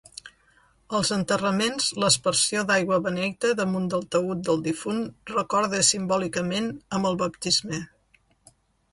Als enterraments l'aspersió d'aigua beneita damunt del taüt del difunt recorda simbòlicament amb el baptisme.